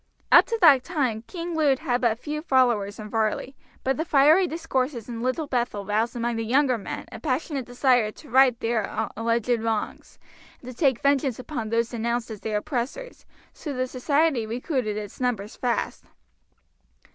Up to that time "King Lud" had but few followers in Varley; but the fiery discourses in Little Bethel roused among the younger men a passionate desire to right their alleged wrongs, and to take vengeance upon those denounced as their oppressors, so the society recruited its numbers fast.